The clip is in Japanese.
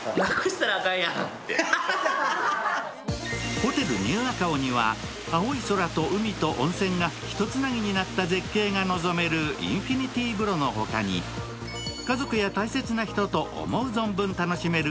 ホテルニューアカオには青い空と海と温泉が人つなぎになった絶景が望めるインフィニティー風呂のほかに家族や大切な人と思う存分楽しめる